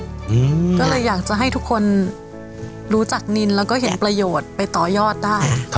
ก็เลยอยากจะให้ทุกคนรู้จักนินแล้วก็เห็นประโยชน์ไปต่อยอดได้